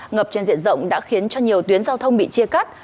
ngập trên diện rộng đã khiến cho nhiều tuyến giao thông bị chia cắt